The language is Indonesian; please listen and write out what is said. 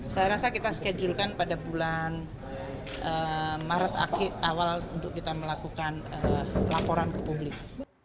saya rasa kita schedulekan pada bulan maret awal untuk kita melakukan laporan ke publik